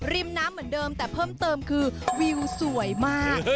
ริมน้ำเหมือนเดิมแต่เพิ่มเติมคือวิวสวยมาก